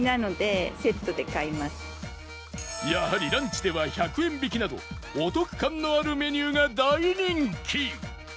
やはりランチでは１００円引きなどお得感のあるメニューが大人気